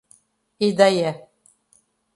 Edéia